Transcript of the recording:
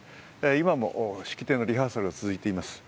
今も式典のリハーサルは続いています。